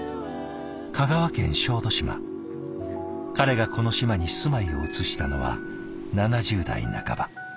彼がこの島に住まいを移したのは７０代半ば。